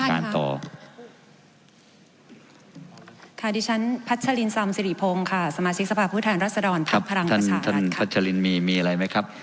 ค่ะดิฉันพัชลินทราบสิริพงศ์ค่ะสมาชิกสภาพผู้ทางรัฐสดรทักษ์พลังประชาลันตร์ท่านท่านพัชลินมีมีอะไรไหมครับ